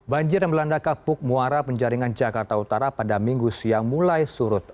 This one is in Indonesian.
banjir yang melanda kapuk muara penjaringan jakarta utara pada minggu siang mulai surut